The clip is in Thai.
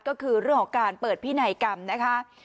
ก็คือเรื่องของการเปิดพินัยกรรมนะคะ